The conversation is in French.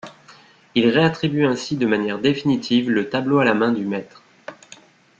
Il réattribue ainsi de manière définitive le tableau à la main du maître.